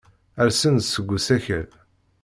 Rsen-d seg usakal.